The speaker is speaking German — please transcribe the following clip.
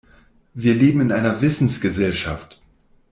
Wir leben in einer Wissensgesellschaft.